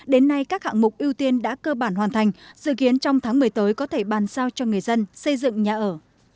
đến nay các hạng mục ưu tiên đã cơ bản hoàn thành dự kiến trong tháng một mươi tới có thể bàn sao cho người dân xây dựng nhà ở